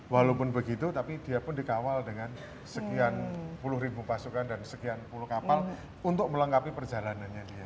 walaupun begitu tapi dia pun dikawal dengan sekian puluh ribu pasukan dan sekian puluh kapal untuk melengkapi perjalanannya dia